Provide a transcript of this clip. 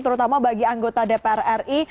terutama bagi anggota dpr ri